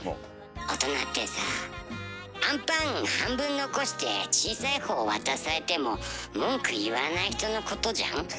大人ってさああんぱん半分残して小さい方渡されても文句言わない人のことじゃん？